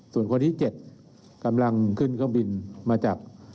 ส่วนคนที่๗กำลังขึ้นเครื่องบินมาจาก